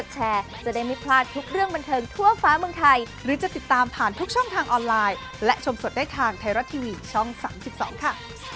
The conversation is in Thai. จริงต้องรับศูนย์ครอบครัวนะคะ